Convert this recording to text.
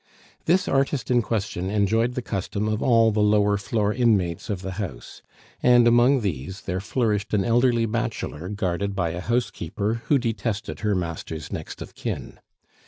This artist in question enjoyed the custom of all the lower floor inmates of the house; and among these, there flourished an elderly bachelor guarded by a housekeeper who detested her master's next of kin.